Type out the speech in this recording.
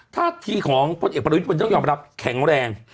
ถ้าที่ของพลังเอกบริวิตมันต้องยอมรับแข็งแรง